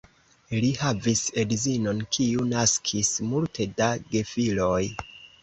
Li havis edzinon, kiu naskis multe da gefiloj.